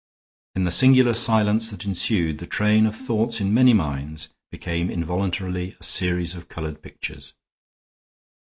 In the singular silence that ensued, the train of thought in many minds became involuntarily a series of colored pictures.